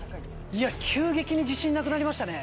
急激に自信なくなりましたね。